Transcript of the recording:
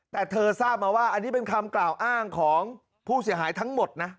แต่เธอทราบมาว่าอันนี้เป็นคำกล่าวอ้างของผู้เสียหายทั้งหมดนะ